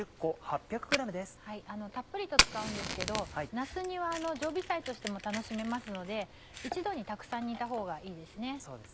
たっぷりと使うんですけどなす煮は常備菜としても楽しめますので一度にたくさん煮たほうがいいですね。